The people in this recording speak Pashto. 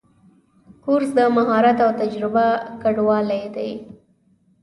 کورس د مهارت او تجربه ګډوالی دی.